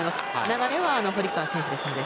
流れは堀川選手ですので。